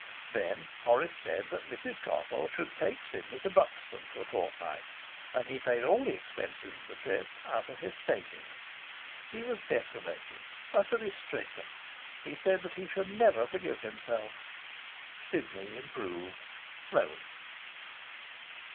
Then Horace said that Airs Carpole should take Sidney to Buxton for a fortnight, and he paid all the expenses of the trip out of his savings. He was desolated, utterly stricken; he said he should never forgive himself. Sidney improved, slowly.